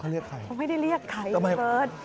เขาเรียกใครมึงไม่ได้เรียกใครเหรอเบิร์ด